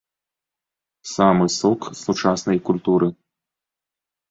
Самы сок сучаснай культуры!